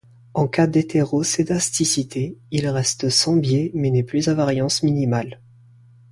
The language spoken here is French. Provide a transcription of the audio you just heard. En cas d'hétéroscédasticité, il reste sans biais mais n'est plus à variance minimale.